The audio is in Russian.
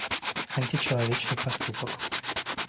Античеловечный поступок